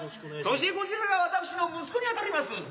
そしてこちらが私の息子にあたります